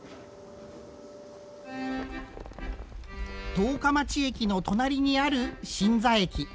十日町駅の隣にあるしんざ駅。